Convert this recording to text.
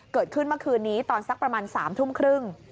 เกิดขึ้นเมื่อคืนนี้ตอนสักประมาณ๓ทุ่มครึ่ง